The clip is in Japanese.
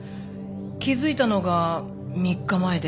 気づいたのが３日前で。